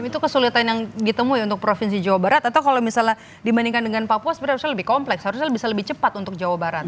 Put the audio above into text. jadi itu adalah kesempatan yang ditemui untuk provinsi jawa barat atau kalau misalnya dibandingkan dengan papua sebenarnya harusnya lebih kompleks harusnya bisa lebih cepat untuk jawa barat